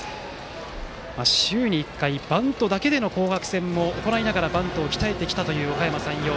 週に１回、バントだけでの紅白戦も行う中でバントを鍛えてきたというおかやま山陽。